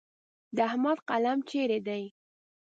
د احمد قلم چیرې دی؟